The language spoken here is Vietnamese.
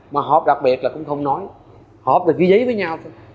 mà hộp đặc biệt là cũng không nói hộp là ghi giấy với nhau thôi